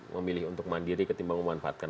memilih untuk mandiri ketimbang memanfaatkan